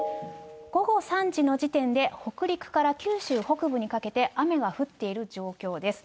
午後３時の時点で、北陸から九州北部にかけて、雨が降っている状況です。